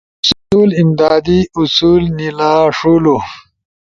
اصول، امدادی اصول نیلا ݜولو